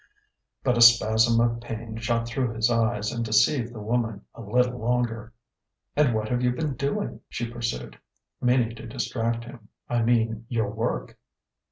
But a spasm of pain shot through his eyes and deceived the woman a little longer. "And what have you been doing?" she pursued, meaning to distract him. "I mean, your work?"